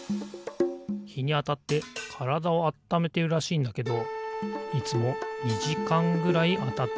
ひにあたってからだをあっためてるらしいんだけどいつも２じかんぐらいあたってんだよなあ。